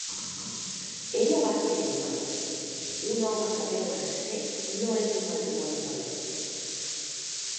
Ella va escriure: Un home que beu en excés, no és un matrimoni feliç.